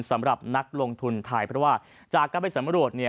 สำหรับนักลงทุนไทยเพราะว่าจากการไปสำรวจ